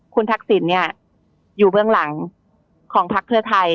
คุณทักษิณเนี่ยอยู่เบื้องหลังของพักเพื่อไทย